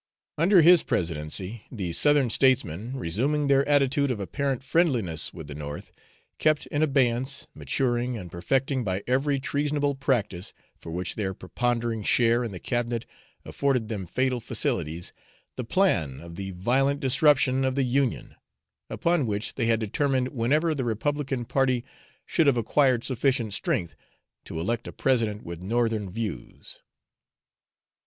Under his presidency, the Southern statesmen, resuming their attitude of apparent friendliness with the North, kept in abeyance, maturing and perfecting by every treasonable practice, for which their preponderating share in the cabinet afforded them fatal facilities, the plan of the violent disruption of the Union, upon which they had determined whenever the Republican party should have acquired sufficient strength, to elect a president with Northern views.